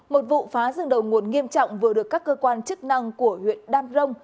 một vụ phá rừng đầu nguồn nghiêm trọng vừa được các cơ quan chức năng của huyện đam rông